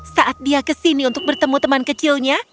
saat dia kesini untuk bertemu teman kecilnya